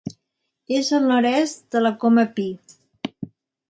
És al nord-est de la Coma Pi.